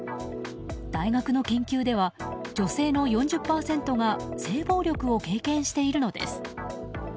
大学の研究では、女性の４０％が性暴力を経験しているのです。